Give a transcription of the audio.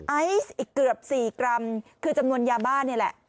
ไอซ์อีกเกือบ๔กรัมคือจำนวนยาบ้านนี่แหละ